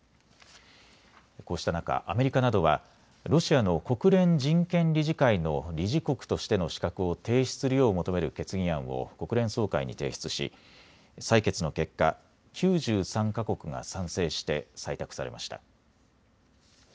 こうした中、アメリカなどはロシアの国連人権理事会の理事国としての資格を停止するよう求める決議案を国連総会に提出し採決の結果、９３か国が賛成して採択されました。